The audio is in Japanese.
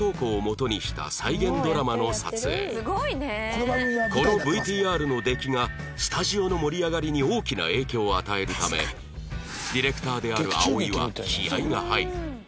この日はこの ＶＴＲ の出来がスタジオの盛り上がりに大きな影響を与えるためディレクターである葵は気合が入る